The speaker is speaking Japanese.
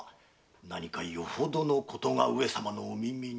何かよほどのことが上様のお耳に。